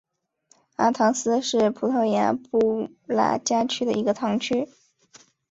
阿唐斯是葡萄牙布拉加区的一个堂区。